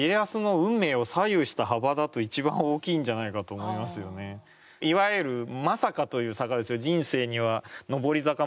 もうこのいわゆる「まさか！」という坂ですよ。